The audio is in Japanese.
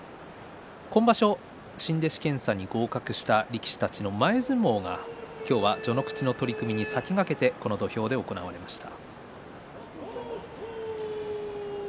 今場所、新弟子検査に合格した力士たちの前相撲は今日は序ノ口の取組に先駆けて行われました。